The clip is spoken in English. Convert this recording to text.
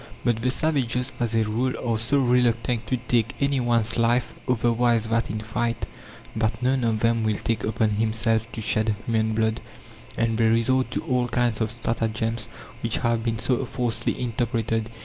But the savages, as a rule, are so reluctant to take any one's life otherwise than in fight, that none of them will take upon himself to shed human blood, and they resort to all kinds of stratagems, which have been so falsely interpreted.